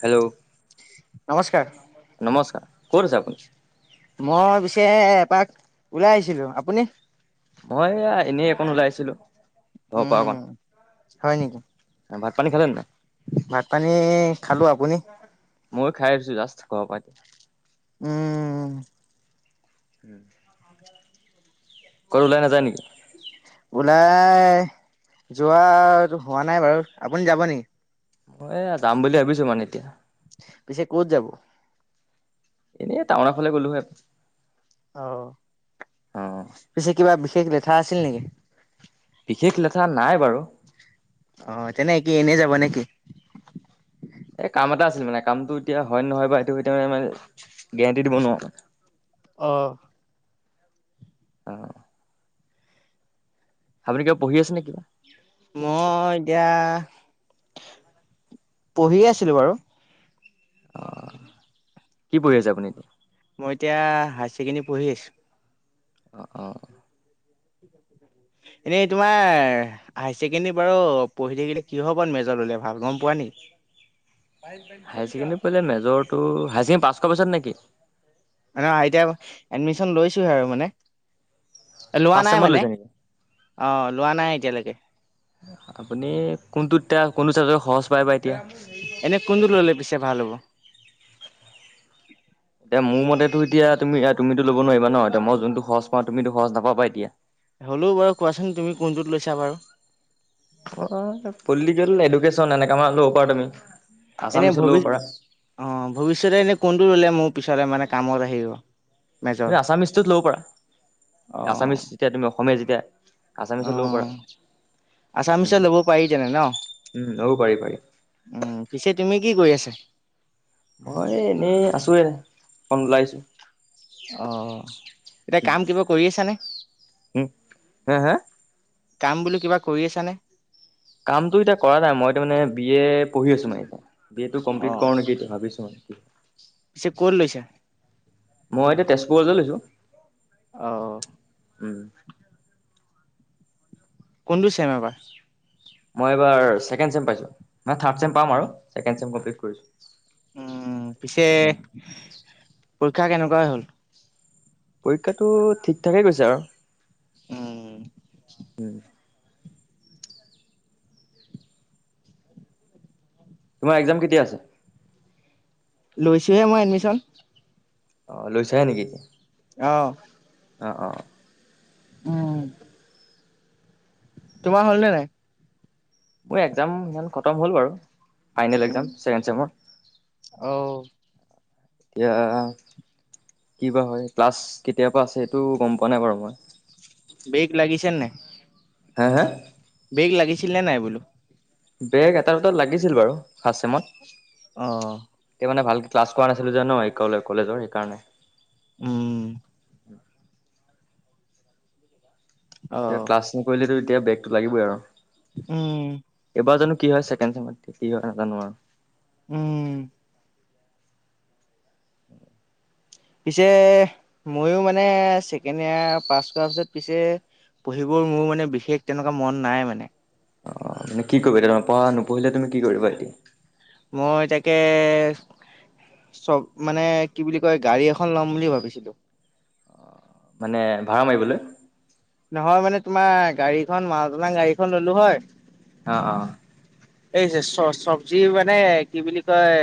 Hello নমস্কাৰ। নমস্কাৰ। ক'ত আছে আপুনি? মই পিছে এপাক ওলাই আহিছিলোঁ। আপুনি? অ', এয়া এনে অকন ওলাইছিলোঁ ঘ পা অকন উম হয় নেকি হা ভাত পানী খালে নাই? ভাত পানী খালোঁ। আপুনি? ময়ো খাই উঠিছোঁ জাষ্ট ঘ পাই। উম [unintelligible] ক'ত ওলাই নাযায় নিকি? ওলাই যোৱা হোৱা নাই বাৰু আপুনি যাব নি? মই এয়া যাম বুলি ভাবিছোঁ মানে এতিয়া পিছে ক'ত যাব? এনে টাউন ফালে গ'লোঁ হয়। অ', অ পিছে কিবা বিশেষ লেঠা আছিল নিকি? বিশেষ লেঠা নাই বাৰু। অ', তেনে কি এনেই যাব নে কি? এই কাম এটা আছিল মানে কামটো এতিয়া হয়ন নহয় বা সেইটো [unintelligible] গেৰেণ্টি দিব নোৱাও। অ'। অ'। আপুনি কিবা পঢ়ি আছে নেকি? মই এতিয়া পঢ়ি আছিলোঁ বাৰু। অ', কি পঢ়ি আছে আপুনি? মই এতিয়া হায়ছেকেণ্ডী পঢ়ি আছোঁ। অ', অ', এনেই তোমাৰ হাই ছেকেণ্ডী বাৰু পঢ়ি থাকিলে কিহ ওপৰত মেজৰ ল'লে ভাল গম পোৱা নি? হাই ছেকেণ্ডী পইলে মেজৰটো হাই ছেকেণ্ডী পাছ কআ পিছত নেকি? মানে আই টি আই এডমিচন লৈছোহে আৰু মানে। এ, লোৱা ফাৰ্ষ্ট নাই চেমত মানে লৈছে নেকি অ', লোৱা নাই এতিয়ালেকে। আপুনি কোনটোতিয়া কোনটো চাবজেক্ট সহজ পায় বা এতিয়া। এনে কোনটোত ল'লে পিছে ভাল হ'ব? এতিয়া মো মতেতো এতিয়া তুমি আ, তুমিটো ল'ব নোৱাইবা ন' এতিয়া মই যোনটো সহজ পাওঁ তুমিতো সহজ নাপাবা এতিয়া। হ'লেও বাৰু কোৱাচোন তুমি কোনটোত লৈছা বাৰু? অ', পলটিকেল, এডুকেশ্যন এনেকা মানে ল'ব পাৰা তুমি। এনে আছামিছত ল'ব ভবি পাৰা। অ', ভৱিষ্যতে ইনে কোনটো ল'লে মো পিছলে মানে কামত আহিব? মেজৰ [unintelligible] আছামিচটোত ল'ব পাৰা অ আছামিছ যেতিয়া তুমি অসমীয়া যেতিয়া অ আছামিছত ল'ব পাৰা উম আছামিছত ল'ব পাৰি তেনে ন উম ল'ব পাৰি পাৰি। উম, পিছে তুমি কি কৰি আছা? মই এনেই আছোয়ে অকন ওলাই আইছোঁ। অ', এতিয়া কাম কিবা কৰি আছানে? উম হা হা কাম বোলো কিবা কৰি আছা নে? কামতো এতিয়া কৰা নাই মই তা মানে বি এ পঢ়ি আছোঁ [unintelligible] বি এটো অ কমপ্লিট কৰোঁ নেকি এইটো ভাবিছোঁ মানে। [inaudible] পিছে ক লৈছা? মই এতিয়া তেজপুৰতে লৈছোঁ। অ'। উম। কোনটো চেম এবাৰ? মই এইবাৰ চেকেণ্ড চেম পাইছো, মানে থাৰ্ড চেম পাম আৰু চেকেণ্ড চেম কমপ্লিট কৰিছো। উম, পিছে পৰীক্ষা কেনেকুৱাই হ'ল? পৰীক্ষাটো ঠিক ঠাকে গৈছে আৰু। উম,। উম, তোমাৰ একজাম কেতিয়া আছে? লৈছোঁহে মই এডমিশ্যন। অ, লৈছাহে নেকি? অ,। অ-অ-অ। উম,। তোমাৰ হল নে নাই? মোৰ এক্জাম ইমান খতম হ'ল বাৰু ফাইনেল উম, একজাম ছেকেণ্ড চেমৰ। অ এতিয়া কি বা হয় ক্লাছ কেতিয়াৰ পৰা আছে সেইটোও গম পোৱা নাই বাৰু মই। বেগ লাগিছেন নাই? হে, হে? বেগ লাগিছিল নে নাই বোলো? বেগ এটা দুটাত লাগিছিল বাৰু ফাষ্ট চেমত। অ,। তেতিয়া মানে ভালকে ক্লাছ কৰা নাছিলো যে ন' কলে কলেজৰ সেইকাৰণে। উম,। অ এতিয়া ক্লাছ নকৰিলে এতিয়া বেগটো লাগিবই আৰু। উম এইবাৰ জানো কি হয় ছেকেণ্ড চেমত কি হয় নাজানো আৰু। উম,। পিছে ময়ো মানে ছেকেণ্ড ইয়াৰ পাছ কৰাৰ পিছত পিছে পঢ়িবৰ মোৰ মানে বিশেষ তেনেকুৱা মন নাই মানে। অ, এনে কি কৰিব এতিয়া পঢ়া নপঢ়িলে তুমি কি কৰিবা এতিয়া? মই তাকে চক মানে কি বুলি কয় গাড়ী এখন ল'ম বুলি ভাবিছিলোঁ। মানে ভাড়া মাৰিবলৈ। নহয় মানে তোমাৰ গাড়ীখন মালটনা গাড়ীখন ললো হয়। অ -অ। এই যে চ চব্জি মানে কি বুলি কয়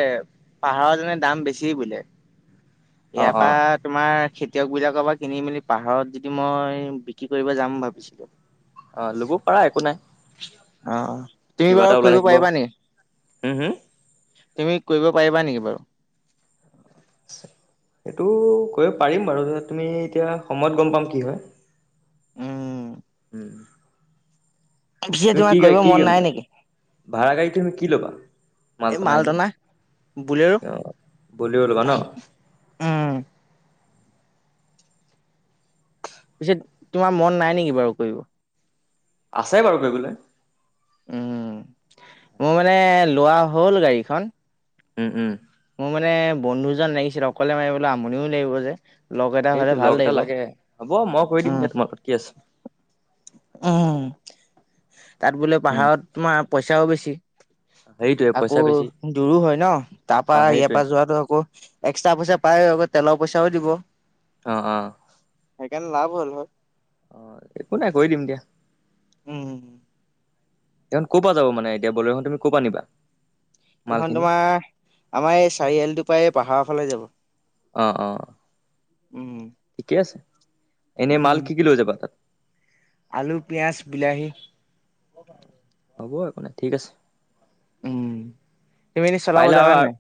পাহাৰত যেনে দাম বেছি বোলে। [unintelligible] ইয়াৰ পৰা তোমাৰ খেতিয়ক বিলাকৰ পৰা কিনি মেলি পাহাৰত যদি মই বিক্ৰী কৰিব যাম ভাবিছিলোঁ। অ লব পাৰা একো নাই। অ তুমি কিবা এটা বাৰু ওলাই কৰিব থাকিব পাৰিবা নেকি? হুম হুম তুমি কৰিব পাৰিবা নেকি বাৰু? এইটো কৰিব পাৰিম বাৰু তুমি এতিয়া সময়ত গম পাম কি হয়। উম, উম। পিছে তুমি তোমাৰ কি গা কৰিব কি মন কেম নাই নেকি? ভাড়া গাড়ী কি তুমি কি ল'বা মাল এই টনা এনেই? মালটনা বুলেৰো অ ব্ৰলেৰো লবা ন। উম পিছে তোমাৰ মন নাই নেকি বাৰু কৰিব? আছে বাৰু কৰিবলে উম মোৰ মানে লোৱা হল গাড়ীখন উম উম মোৰ মানে বন্ধুজন লাগিছিল অকলে মাৰিবলে আমনিও লাগিব যে লগ এটা হ'লে সেইটোৱে ভাল লগ এটা লাগিব। লাগে হ'ব মই গৈ দিম উম, দিয়া তোমাক কি আছে উম তাত বোলে উম পাহাৰত তোমাৰ পইচাও বেছি সেইটোৱে পইচা আকৌ বেছি দূৰো হয় ন অ তাৰপা ইয়াৰ সেইটোৱে পৰা যোৱাটো আকৌ এক্সট্ৰা পইচা পায় আকৌ তেলৰ পইচাও দিব অ অ সেইকাৰণে লাভ হ'ল হয় অ একো নাই গৈ দিম দিয়া উম উম এইখন ক'পা যাব মানে এতিয়া বলেৰোঁ খন তুমি ক'পা নিবা? এইখন মালখিনি তোমাৰ আমাৰ এই চাৰিআলিটোৰ পৰা এই পাহাৰৰ ফালে যাব অ অ উম ঠিকে আছে এনে উম মাল কি কি লৈ যাবা তাত? আলু, পিয়াজ, বিলাহী হ'ব একো নাই ঠিক আছে। উম তুমি এনে চলাব পাৰিলে আৰু জানা নাই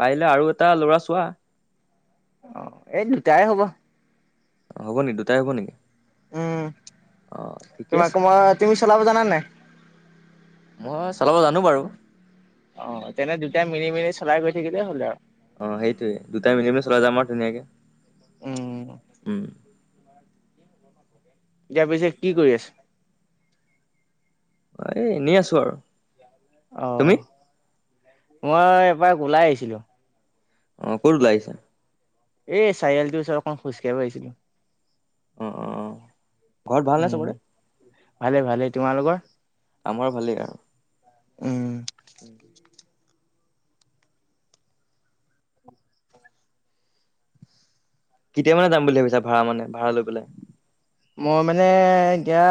পাৰিলে আৰু এটা ল'ৰা চোৱা অ এই দুটাই হ'ব অ হ'ব নি দুটাই হব নেকি উম অ', ঠিকে তোমাক আছে মই তুমি চলাব জানা নে নাই? মই চলাব জানো বাৰু অ তেনে দুটাই মিলি মিলি চলাই গৈ থাকিলে হ'ল আৰু অ সেইটোয়ে দুটাই মিলি মেলি চলাই যাম আৰু ধুনীয়াকে উম উম এতিয়া পিছে কি কৰি আছা? এ এনেই আছো আৰু অ তুমি মই এপাক ওলাই আহিছিলো অ ক'ত ওলাই আহিছা? এই চাৰিআলিটো ওচত অকণমান খোজকাঢ়িব আহিছিলো অ', অ', ঘৰত ভালনে উম চবৰে? ভালে ভালেই, তোমালোকৰ? আমাৰ ভালেই আৰু উম কেতিয়া মানে যাম বুলি ভাবিছা ভাড়া মানে ভাড়া লৈ পেলই মই মানে এতিয়া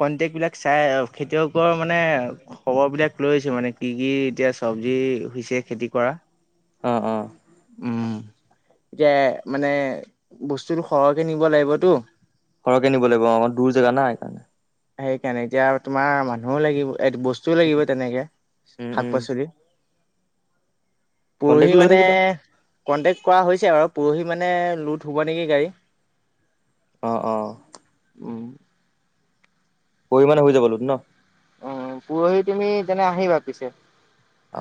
কন্টেক্ট বিলাক চাই খেতিয়কৰ মানে খবৰ বিলাক লৈছো মানে কি কি এতিয়া চব্জি হৈছে খেতি কৰা অ অ উম এতিয়া মানে বস্তুটো সৰহকে নিব লাগিবতো সৰহকে নিব লাগিব অকমাৰ দূৰ জেগা না সেইকাৰণে সেইকাৰণে এতিয়া তোমাৰ মানুহো লাগিব এই বস্ লাগিব তেনেকে উম, শাক উম, পাচলি পুৰহি কণ্টেক্টটো লৈ মানে থাকিবা কণ্টেক্ট কৰা হৈছে আৰু পৰহি মানে লোট হ'ব নেকি গাড়ী অ অ উম পৰহি মানে হৈ যাব লোট ন অ' পৰহি তুমি তেনে আহিবা পিছে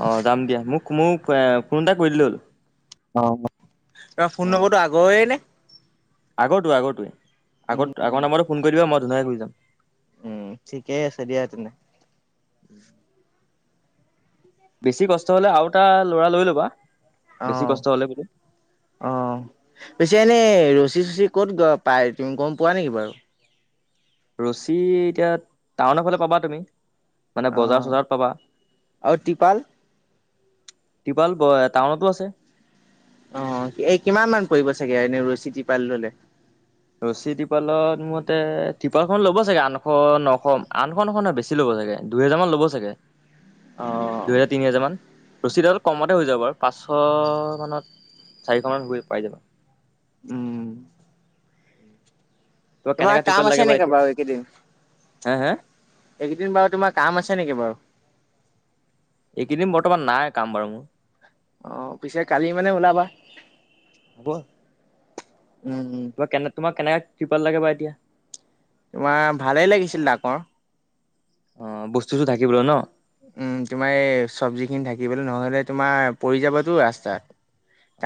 অ যাম দিয়া মোক মোক এ ফোন এটা কৰি দিলে হ'ল অ তোমাৰ ফোন নম্বৰটো আগৰে নে আগৰটোৱে আগৰটোৱে আগত নে? আগৰ নাম্বাৰতে ফোন কৰি দিবা মই ধুনীয়াকে গুচি যাম উম ঠিকেই আছে দিয়া তেনে [unintelligible] বেছি কষ্ট হলে আৰু এটা ল'ৰা লৈ ল'বা অ বেছি কষ্ট হলে বোলো অ পিছে এনেই ৰছী চচী ক'ত গ পাই তুমি গম পোৱা নেকি বাৰু ৰছী এতিয়া টাউনৰ ফালে পাবা তুমি মানে বজাৰ অ', চজাৰত পাবা আৰু টিপাল? তিপাল ব টাউনতো আছে অ এই কিমান মান পৰিব চাগে এনেই ৰচী টিপাল ললে ৰছী তিপালত মোৰ মতে তিপাল খন ল'ব চাগে আঠশ নশ আঠশ নশ নহয় বেছি বেছি ল'ব দুহেজাৰ মান ল'ব চাগে অ দুহেজাৰ তিনি হেজাৰ মান ৰছীদালত কমতে হৈ যাব বাৰু পাঁচশ মানত চাৰিশ মানত পাই যাব উম তোমাক তোমাৰ কেনেকা টিপাল কাম লাগে আছে বা নেকি এতিয়া বাৰু এইকেইদিন হা হা এইকেইদিন বাৰু তোমাৰ কাম আছে নেকি বাৰু এইকেইদিন বৰ্তমান নাই কাম বাৰু মোৰ অ পিছে কালি মানে ওলাবা হ'ব উম উম তোমাক কেনে তোমাক কেনেকা টিপাল লাগে বা এতিয়া তোমাৰ ভালেই লাগিছিল ডাঙৰ অ বস্তু চস্ত ঢাকিবলৈ ন উম তোমাৰ এই চব্জি খিনি ঢাকিবলৈ নহলে তোমাৰ পৰি যাবটো ৰাস্তাত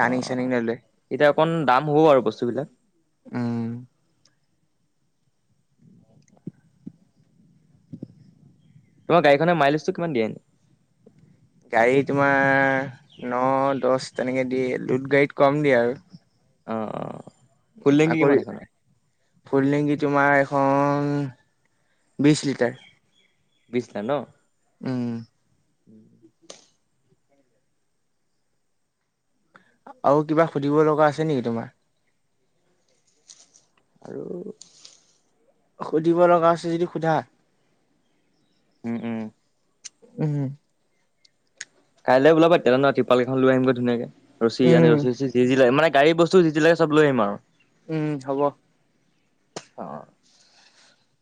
অ চাৰ্ণিং ললে এতিয়া অকণ দাম হ'ব বাৰু বস্তুবিলাক উম তোমাৰ গাড়ীখনে মাইনাছটো কিমান দিয়ে গাড়ী তোমাৰ ন দহ তেনেকে দিয়ে লোট গাড়ীত কম দিয়ে আৰু অ অ ফুল টেংকি কিমান এইখনৰ [unintelligible] ফুল টেংকি তোমাৰ এখন বিছ লিটাৰ বিছ লিটাৰ ন উম [unintelligible] আৰু কিবা সুধিব লগা আছে নেকি তোমাৰ আৰু সুধিব লগা আছে যদি সোধা উম উম উম কাইলৈ ওলাবা তেয়াহলে ট্ৰিপাল কেইখন লৈ আহিম গৈ ধুনীয়াকে ৰছী আনি উম ৰছী চচি যি যি লাগে মানে গাড়ী বস্তু বস্তু যি যি লাগে চব লৈ আহিম আৰু উম, হ'ব। অ',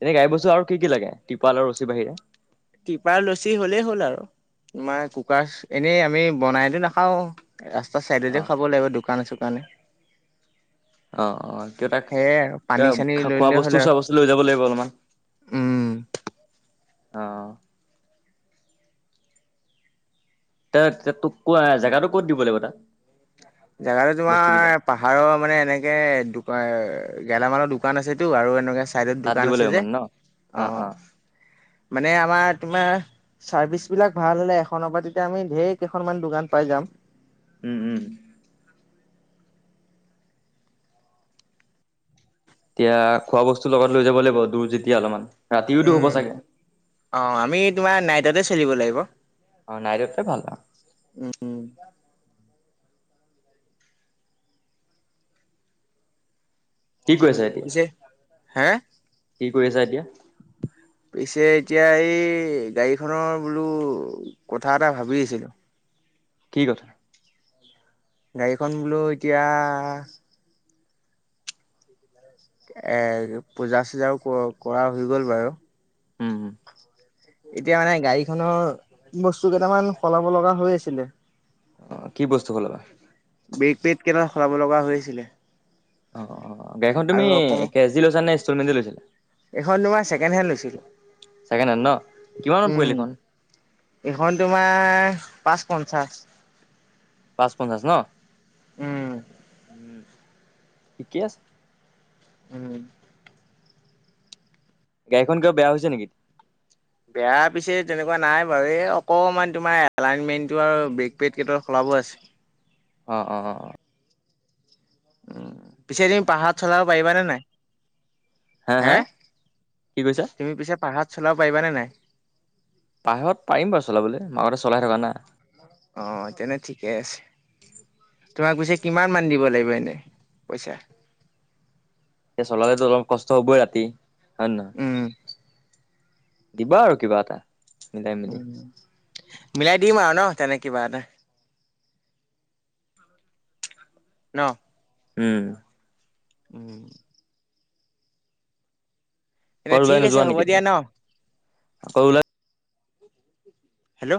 এনে গাড়ীৰ বস্তু আৰু কি কি লাগে, ট্ৰিপাল আৰু ৰচীৰ বাহিৰে? ট্ৰিপাল ৰচি হ'লেই হ'ল আৰু, তোমাৰ কুকাৰ, এনেই আমি বনাইতো নাখাও। ৰাস্তা অ চাইডতে খাব লাগিব, দোকানে-চোকানে। অ', অ', কিয় তাক, আৰু পানী চানী কা লৈ খোৱা ললে হ'ল আৰু বস্তু-চোৱা বস্তু লৈ যাব লাগিব অলপমান। উম। অ'। তে তে তোক কোৱা, জেগাটো ক'ত দিব লাগিব তাক। জেগাটো তোমাৰ পাহাৰৰ মানে, এনেকে দোকান, গেলামালৰ দোকান আছেটো, আৰু এনেকুৱা চাইডত তাত দিব দোকান লাগিব যে, মানে ন অ', মানে আমাৰ তোমাৰ চাৰ্ভিচ বিলাক ভাল হ'লে, এখনৰ পৰা তেতিয়া আমি, ঢেৰ কেইখনমান দোকান পাই যাম। উম, উম। এতিয়া, খোৱা বস্তু লগত লৈ যাব লাগিব, দূৰ যেতিয়া অলপমান, ৰাতিওটো হ'ব উম। চাগে। অ', আমি তোমাৰ, নাইটতে চলিব লাগিব। অ', নাইটটে ভাল আৰু। উম কি কৰি আছা এ যে, হে। কি কৰি আছা এতিয়া? পিছে এতিয়া এই, গাড়ীখনৰ বোলো কথা এটা ভাবি আছিলোঁ। কি কথা? গাড়ীখন বোলো এতিয়া এ পূজা-চুজাও কৰা হৈ গল বাৰু। উম উম এতিয়া মানে, গাড়ীখনৰ বস্তু কেইটামান, সলাব লগা হৈ আছিলে। অ', কি বস্তু সলাবা? ব্ৰেক পেট কেইটা, সলাব লগা হৈ আছিলে। গাড়ীখন আৰু তুমি অকমান কেচ দি লৈছা নে, ইনষ্টলমেট দি লৈছিলা? এইখন তোমাৰ, ছেকেণ্ড হেণ্ড লৈছিলো। ছেকেণ্ড হেণ্ড ন, কিমানত পৰিলে উম, এইখন? এইখন তোমাৰ, পাঁচ পঞ্চাশ। পাঁচ পঞ্চাছ ন, উম, ঠিকে আছে। উম। গাড়ীখন কিবা বেয়া হৈছে নেকি? বেয়া পিছে তেনেকুৱা নাই বাৰু, এই অকমান তোমাৰ এলাইনমেণ্টটো আৰু ব্ৰেক পেট কেইপাত সলাব আছে। অ', অ', অ'। পিছে তুমি, পাহাৰত চলাব পাৰিবা নে নাই? হা হে, হা কি কৈছা তুমি পিছে পাহাৰত চলাব পাৰিবা নে নাই? পাহাৰত পাৰিম বাৰু চলাবলে, আগতে চলাই থকা না। অ', তেনে ঠিকে আছে। তোমাক পিছে, কিমান মান দিব লাগিব এনে, পাইছা। তে চলালেটো অলপ কষ্ট হ'বয় ৰাতি, হয় নে নহয়। উম। দিবা আৰু কিবা এটা। মিলাই মেলি মিলাই দিম আৰু ন, তেনে কিবা এটা। ন। উম। [inaudible] এ ক'ত ওলাই ঠিক আছে, নোযোৱা হ'ব নেকি দিয়া তুমি? ন, ক'ত ওলাই হেল্ল।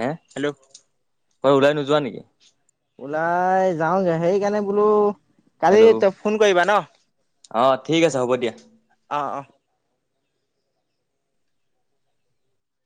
হা? হেল্ল। হয়, ওলাই নোযোৱা নেকি? ওলাই যাওঁগে, সেইকাৰণে বোলো কালি হেল্ল' তই ফোন কৰিবা ন? অ ঠিক আছে হ'ব দিয়া। অহ, অহ।